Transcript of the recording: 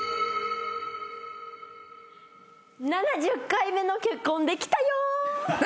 ７０回目の結婚できたよ！